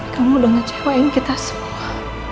kamu dengan cewek yang kita semua